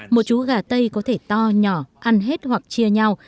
một chú gà tây có thể to nhỏ ăn hết hoặc chia nhau